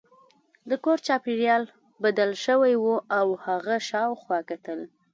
د کور چاپیریال بدل شوی و او هغه شاوخوا کتل